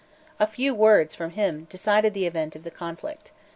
A few words from him decided the event of the conflict.